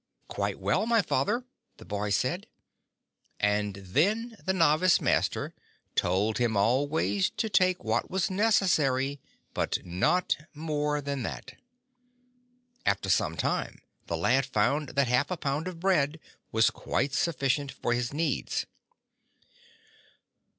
86 "Quite well, my Father,'' the boy said; and then the Novice Master told him always to take what was necessary, but not more than that. After some time the lad found that half a pound of bread was quite sufficient for his needs.